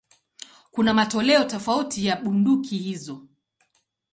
Kuna matoleo tofauti ya bunduki hizo.